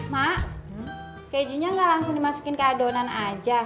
mak kejunya nggak langsung dimasukin ke adonan aja